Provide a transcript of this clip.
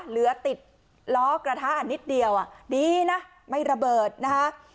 เหลือติดล้อกระทะนิดเดียวดีนะไม่ระเบิดนะคะ